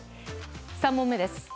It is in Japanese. ３問目です。